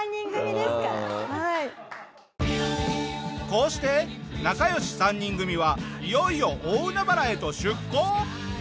こうして仲良し３人組はいよいよ大海原へと出航！